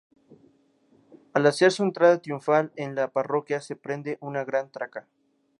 Al hacer su entrada triunfal en la parroquia se prende una gran traca.